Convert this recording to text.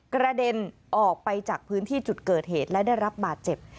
กระเด็นออกไปจากพื้นที่จุดเกิดเหตุและได้รับบาดเจ็บ